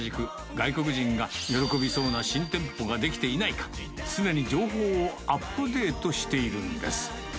外国人が喜びそうな新店舗が出来ていないか、常に情報をアップデートしているんです。